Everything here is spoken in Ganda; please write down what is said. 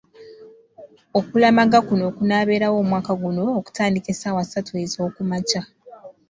Okulamaga kuno okunaabeerawo omwaka guno okutandika ssaawa ssatu ez’okumakya.